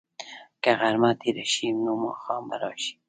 که غرمه تېره شي، نو ماښام به راشي.